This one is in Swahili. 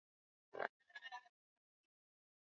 Mtu niliyoyanena, pima sana ewe mtu